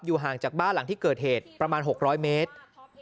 ห่างจากบ้านหลังที่เกิดเหตุประมาณ๖๐๐เมตร